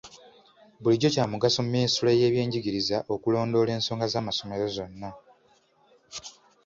Bulijjo kya mugaso minisitule y'ebyenjigiriza okulondoola ensonga z'amasomero zonna.